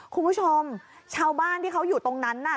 คุณผู้ชมชาวบ้านที่เขาอยู่ตรงนั้นน่ะ